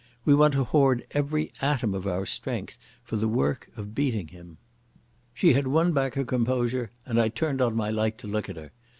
We want to hoard every atom of our strength for the work of beating him." She had won back her composure, and I turned on my light to look at her.